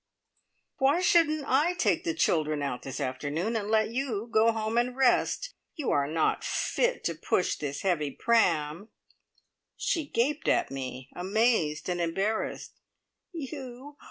"Why shouldn't I take the children out this afternoon, and let you go home and rest? You are not fit to push this heavy pram." She gaped at me, amazed and embarrassed. "You?